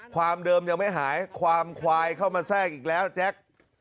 ความเดิมยังไม่หายความควายเข้ามาแทรกอีกแล้วแจ๊ค